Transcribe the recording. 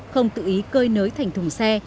không tự ý cơi nới thành thùng xe